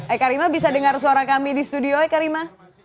eka rima bisa dengar suara kami di studio eka rima